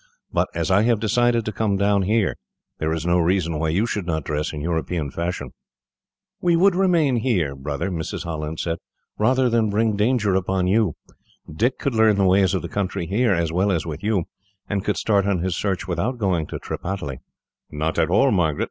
But, as I have decided to come down here, there is no reason why you should not dress in European fashion." "We would remain here, brother," Mrs. Holland said, "rather than bring danger upon you. Dick could learn the ways of the country here, as well as with you, and could start on his search without going to Tripataly." "Not at all, Margaret.